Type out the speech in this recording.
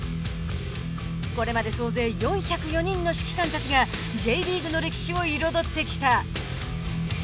これまで総勢４０４人の指揮官たちがＪリーグの歴史を彩ってきた。